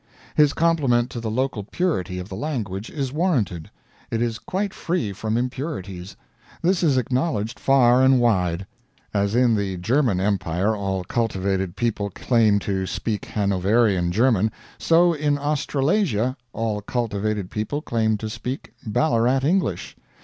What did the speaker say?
His compliment to the local purity of the language is warranted. It is quite free from impurities; this is acknowledged far and wide. As in the German Empire all cultivated people claim to speak Hanovarian German, so in Australasia all cultivated people claim to speak Ballarat English.